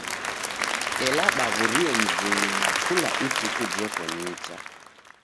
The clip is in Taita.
Ela daw'urie mzinyi na kula ituku jeko nicha.